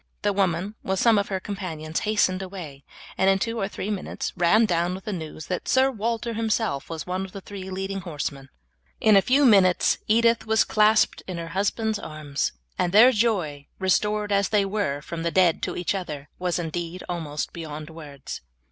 The woman, with some of her companions, hastened away, and in two or three minutes ran down with the news that Sir Walter himself was one of the three leading horsemen. In a few minutes Edith was clasped in her husband's arms, and their joy, restored as they were from the dead to each other, was indeed almost beyond words.